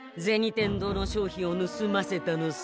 天堂の商品をぬすませたのさ。